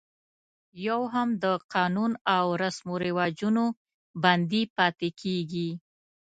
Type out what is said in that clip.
یو هم د قانون او رسم و رواجونو بندي پاتې کېږي.